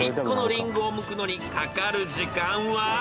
［１個のリンゴをむくのにかかる時間は］